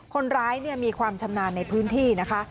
คนร้ายมีความชำนาญในพื้นที่นะคะ